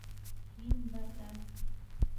Һин барҙа!